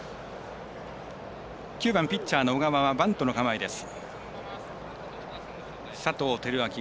９番ピッチャーの小川はバントの構えです。